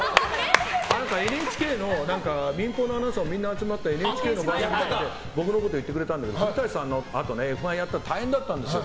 ＮＨＫの民放のアナウンサーがみんな集まったＮＨＫの番組で僕のこと言ってくれて古舘さんのあとＦ１やったら大変だったんですよ。